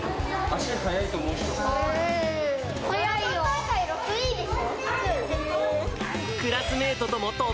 足が速いと思う人？